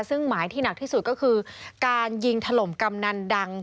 ซึ่งหมายที่หนักที่สุดก็คือการยิงถล่มกำนันดัง